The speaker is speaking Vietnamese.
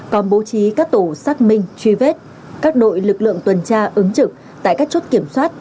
còn bố trí các tổ xác minh truy vết các đội lực lượng tuần tra ứng trực tại các chốt kiểm soát